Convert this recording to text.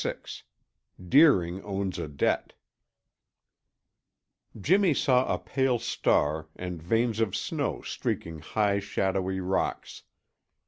VI DEERING OWNS A DEBT Jimmy saw a pale star, and veins of snow streaking high shadowy rocks.